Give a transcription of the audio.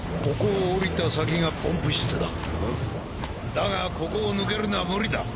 だがここを抜けるのは無理だ。